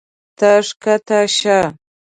ته ښکته شه.